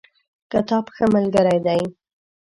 کتاب ښه ملګری دی